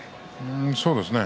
そうですね